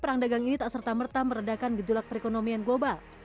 perang dagang ini tak serta merta meredakan gejolak perekonomian global